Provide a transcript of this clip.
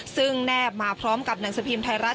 ซึ่งแนบมาพร้อมกับหนังสือพิมพ์ไทยรัฐ